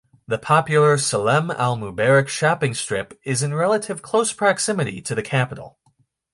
The popular Salem Al-Mubarak Shopping strip is in relative close proximity to the capital.